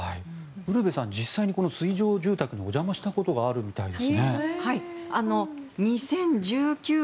ウルヴェさん実際にこの水上住宅にお邪魔したことがあるみたいですね。